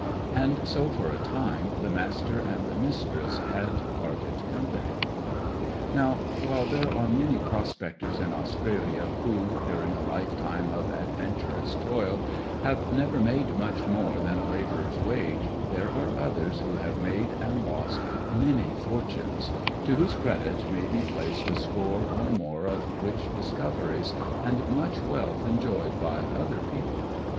And so, for a time, the Master and the Mistress had parted company. Now, while there are many prospectors in Australia who, during a lifetime of adventurous toil, have never made much more than a labourer's wage, there are others who have made and lost many fortunes, to whose credit may be placed a score or more of rich discoveries, and much wealth enjoyed by other people.